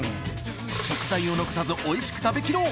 食材を残さず美味しく食べ切ろう！